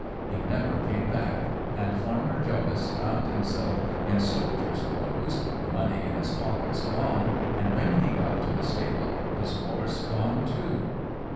He never came back, and Farmer Jollice found himself in soldier's clothes, the money in his pockets gone, and, when he got to the stable, his horse gone too."